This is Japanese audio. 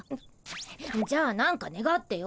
じゃあ何かねがってよ。